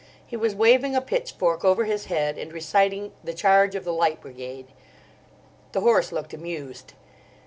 He was waving a pitchfork over his head and reciting "The Charge of the Light Brigade." The horse looked amused.